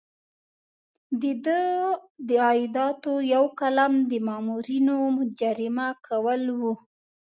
د ده د عایداتو یو قلم د مامورینو جریمه کول وو.